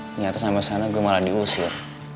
ternyata sampai sana gue malah diusir